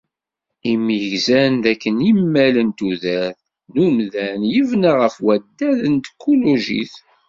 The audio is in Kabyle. Imi gzan d akken imal n tudert n umdan yebna ɣef waddad n tkulugit.